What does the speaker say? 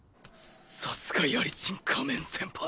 さすがヤリチン仮面先輩。